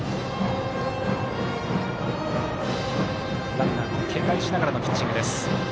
ランナーも警戒しながらのピッチング。